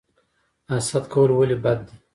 حسد کول ولې بد دي؟